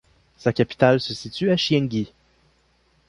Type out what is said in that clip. Sa capitale se situe à Chiengi.